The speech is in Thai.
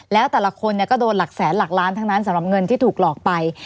แล้วแต่ละคนก็โดนหลักแสนหลักล้านทั้งนั้นสำหรับเงินที่ถูกหลอกไป